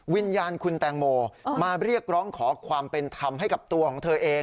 วิญญาณคุณแตงโมมาเรียกร้องขอความเป็นธรรมให้กับตัวของเธอเอง